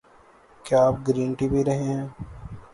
کیا آپ green tea پی رہے ہے؟